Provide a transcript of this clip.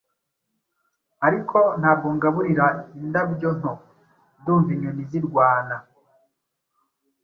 Ariko ntabwo ngaburira indabyo nto; Ndumva inyoni zirwana